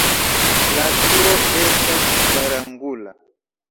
La turo estas kvarangula.